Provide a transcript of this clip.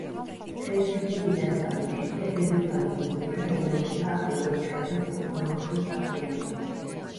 ხელისუფლებიდან წასვლის შემდეგ დედოფალი ულრიკა ელეონორა აქტიურად ჩაება საქველმოქმედო საქმიანობაში.